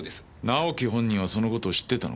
直樹本人はその事を知ってたのか？